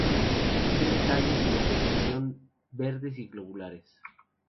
Tiene los tallos con depresión, verdes y globulares.